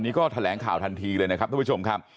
แล้วก็แถลงข่าวทันทีเลยค่ะท่านผู้ชมครับ